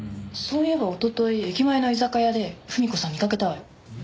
そういえばおととい駅前の居酒屋で文子さん見かけたわよ。